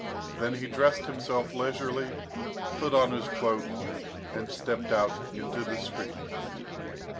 Then he dressed himself leisurely, put on his cloak, and stepped out into the street.